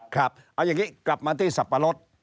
ครับเอาอย่างนี้กลับมาที่สับปะรด